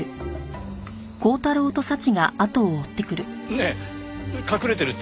ねえ隠れてるって何が？